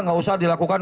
gak usah dilakukan